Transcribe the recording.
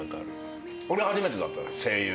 あれ初めてだった声優。